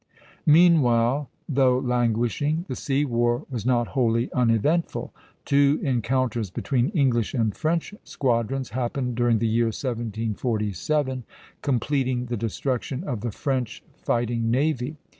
Meanwhile, though languishing, the sea war was not wholly uneventful. Two encounters between English and French squadrons happened during the year 1747, completing the destruction of the French fighting navy.